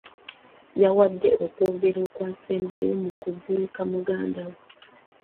Yawadde okwogera okwasembayo mu kuziika muganda we.